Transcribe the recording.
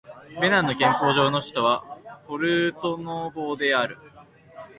ベナンの憲法上の首都はポルトノボである